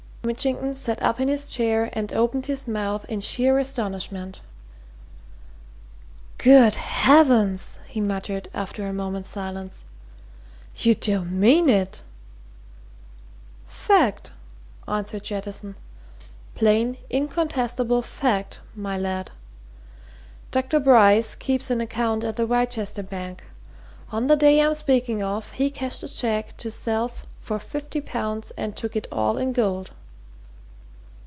Mitchington sat up in his chair and opened his mouth in sheer astonishment. "Good heavens!" he muttered after a moment's silence. "You don't mean it?" "Fact!" answered Jettison. "Plain, incontestable fact, my lad. Dr. Bryce keeps an account at the Wrychester bank. On the day I'm speaking of he cashed a cheque to self for fifty pounds and took it all in gold."